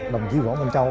đồng chí võ quang châu